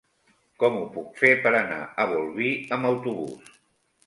Com ho puc fer per anar a Bolvir amb autobús?